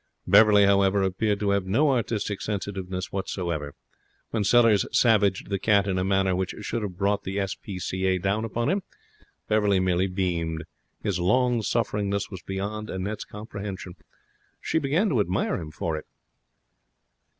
Beverley, however, appeared to have no artistic sensitiveness whatsoever. When Sellers savaged the cat in a manner which should have brought the S.P.C.A. down upon him, Beverley merely beamed. His long sufferingness was beyond Annette's comprehension. She began to admire him for it.